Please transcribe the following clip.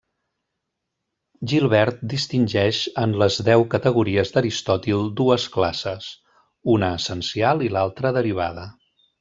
Gilbert distingeix en les deu categories d'Aristòtil dues classes: una essencial i l'altra derivada.